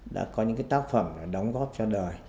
đã có những tác phẩm đóng góp cho đời